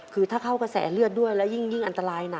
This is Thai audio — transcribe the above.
คือถ้าเข้ากระแสเลือดด้วยแล้วยิ่งอันตรายนะ